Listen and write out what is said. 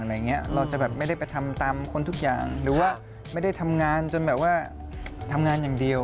เราจะแบบไม่ได้ไปทำตามคนทุกอย่างหรือว่าไม่ได้ทำงานจนแบบว่าทำงานอย่างเดียว